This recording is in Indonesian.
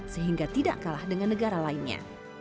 sehingga tidak kalah dengan negara lainnya